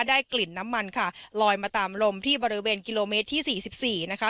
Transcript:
ได้กลิ่นน้ำมันค่ะลอยมาตามลมที่บริเวณกิโลเมตรที่สี่สิบสี่นะคะ